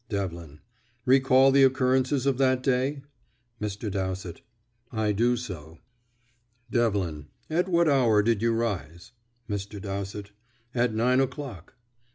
Devlin: "Recall the occurrences of that day?" Mr. Dowsett: "I do so." Devlin: "At what hour did you rise?" Mr. Dowsett: "At nine o'clock."